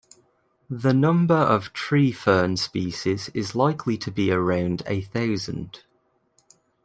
The number of tree fern species is likely to be around a thousand.